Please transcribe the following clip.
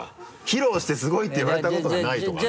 披露してすごいって言われたことがないとか。